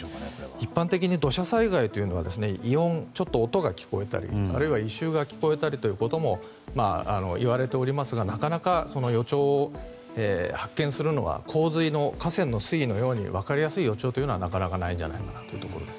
一般的に土砂災害というのは異音が聞こえたりあるいは異臭があったりといわれておりますがなかなか予兆を発見するのは洪水の河川の水位のように分かりやすい予兆はなかなかないんじゃないかなと思います。